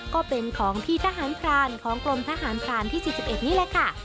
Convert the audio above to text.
ก็เป็นของพี่ทหารพรานของกรมทหารพรานที่๔๑นี่แหละค่ะ